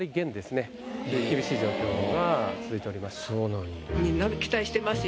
厳しい状況が続いておりました。